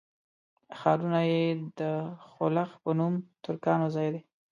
ښارونه یې د خلُخ په نوم ترکانو ځای دی.